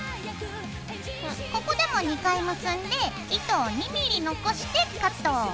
ここでも２回結んで糸を２ｍｍ残してカット。